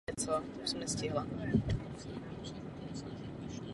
V Evropském roce boje proti chudobě to považuji za skandální.